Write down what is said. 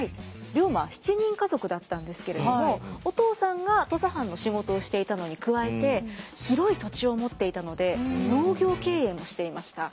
龍馬は７人家族だったんですけれどもお父さんが土佐藩の仕事をしていたのに加えて広い土地を持っていたので農業経営もしていました。